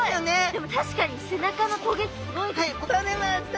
でも確かに背中の棘すごいです。